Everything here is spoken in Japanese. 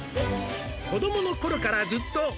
「子どもの頃からずっと」